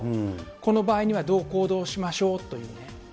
この場合にはどう行動しましょうというね。